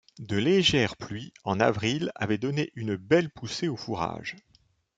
De légères pluies, en avril, avaient donné une belle poussée aux fourrages.